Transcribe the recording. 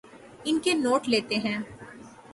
ان کے نوٹ لیتے ہیں